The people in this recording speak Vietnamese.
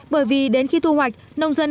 bởi vì đến khi thu hoạch nông dân